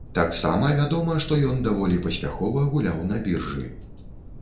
Таксама вядома, што ён даволі паспяхова гуляў на біржы.